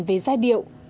với giai điệu